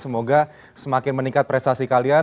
semoga semakin meningkat prestasi kalian